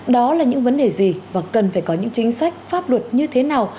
đó là những vấn đề gì và cần phải có những chính sách pháp luật như thế nào